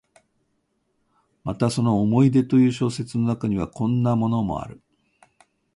またその「思い出」という小説の中には、こんなのもある。